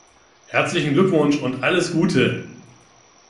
Herzlichen Glückwunsch und alles Gute!